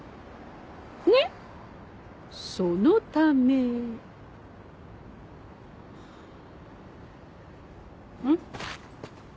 ねっそのためん？